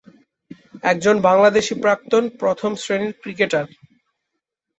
একজন বাংলাদেশী প্রাক্তন প্রথম শ্রেণির ক্রিকেটার।